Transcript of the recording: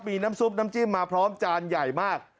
มีน้ำซุปน้ำจิ้มมาพร้อมจานใหญ่มาก